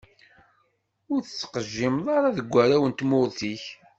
Ur d-tettqejjimeḍ ara deg warraw n tmurt-ik.